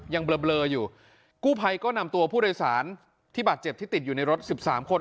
เบลออยู่กู้ภัยก็นำตัวผู้โดยสารที่บาดเจ็บที่ติดอยู่ในรถสิบสามคน